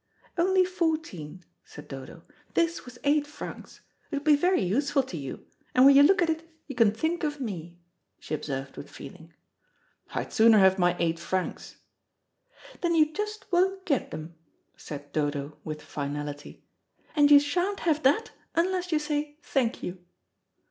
"Only fourteen," said Dodo; "this was eight francs. It will be very useful to you, and when you look at it, you can think of me," she observed with feeling. "I'd sooner have my eight francs." "Then you just won't get them," said Dodo, with finality; "and you sha'n't have that unless you say, 'Thank you.'"